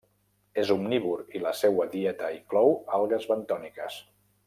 És omnívor i la seua dieta inclou algues bentòniques.